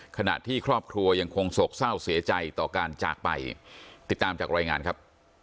ขณะที่ครอบครัวยังคงโศกเศร้าเสียใจต่อการจากไปติดตามจากรายงานครับ